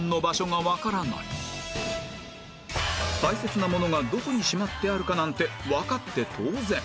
大切なものがどこにしまってあるかなんてわかって当然